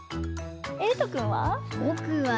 えいとくんは？